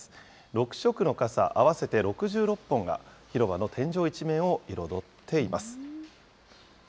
６色の傘、合わせて６６本が広場の天井一面を彩っています。